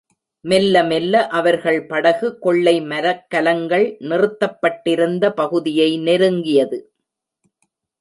மெல்ல மெல்ல அவர்கள் படகு கொள்ளை மரக்கலங்கள் நிறுத்தப்பட்டிருந்த பகுதியை நெருங்கியது.